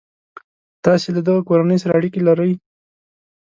تاسي له دغه کورنۍ سره اړیکي لرئ.